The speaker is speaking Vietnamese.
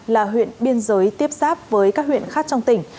là huyện biên giới tiếp xác với các huyện khác trong tỉnh